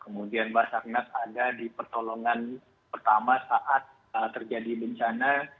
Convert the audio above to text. kemudian basarnas ada di pertolongan pertama saat terjadi bencana